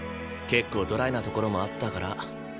結構ドライなところもあったから。